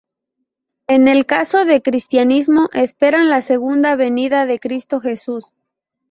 En el caso del cristianismo esperan la Segunda Venida de Cristo Jesús.